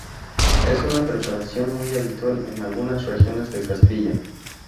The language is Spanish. Es una preparación muy habitual en algunas regiones de Castilla.